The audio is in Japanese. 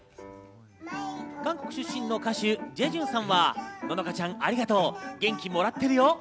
韓国出身の歌手・ジェジュンさんは乃々佳ちゃん、ありがとう元気もらってるよ。